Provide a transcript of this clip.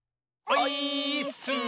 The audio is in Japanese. オイーッス！